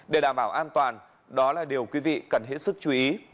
để đảm bảo an toàn đó là điều quý vị cần hết sức chú ý